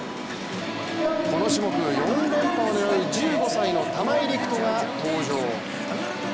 この種目４連覇を狙う１５歳の玉井陸斗が登場。